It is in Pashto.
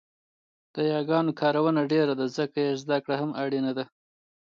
د یاګانو کارونه ډېره ده ځکه يې زده کړه هم اړینه ده